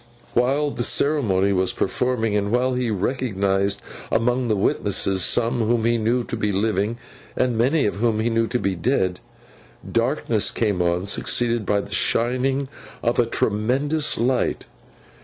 While the ceremony was performing, and while he recognized among the witnesses some whom he knew to be living, and many whom he knew to be dead, darkness came on, succeeded by the shining of a tremendous light.